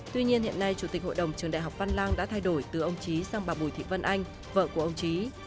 tuy nhiên hiện nay chủ tịch hội đồng trường đại học văn lang đã thay đổi từ ông trí sang bà bùi thị vân anh vợ của ông trí